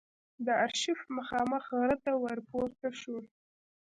د آرشیف مخامخ غره ته ور پورته شوو.